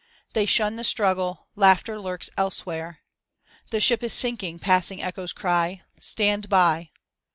They shun the struggle, laughter lurks ebewhere. The ship is sinking, passing echoes cry, "Stand by!"